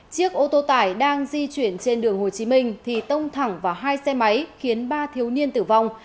chiếc ô tô tải đang di chuyển trên đường hồ chí minh thì tông thẳng vào hai xe máy khiến ba thiếu niên tử vong